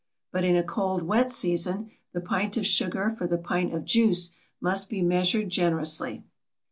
But in a cold, wet season the pint of sugar for the pint of juice must be measured generously.